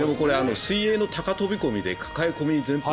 水泳の高飛込で抱え込み前方